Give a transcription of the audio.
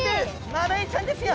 マダイちゃんですよ。